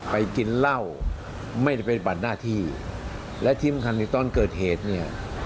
กินเหล้าไม่ได้ไปบัดหน้าที่และที่สำคัญในตอนเกิดเหตุเนี่ย